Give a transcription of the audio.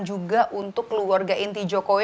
juga untuk keluarga inti jokowi